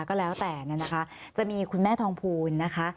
ก็แล้วแต่เนี่ยนะคะจะมีคุณแม่ทองภูลนะคะ